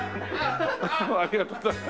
ありがとうございます。